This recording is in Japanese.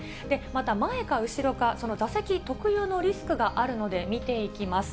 また、前か後ろか、その座席特有のリスクがあるので、見ていきます。